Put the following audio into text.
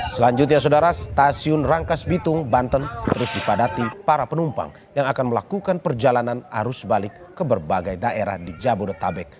selanjutnya saudara stasiun rangkas bitung banten terus dipadati para penumpang yang akan melakukan perjalanan arus balik ke berbagai daerah di jabodetabek